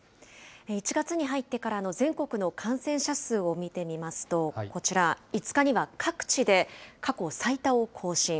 １月に入ってからの全国の感染者数を見てみますと、こちら、５日には各地で過去最多を更新。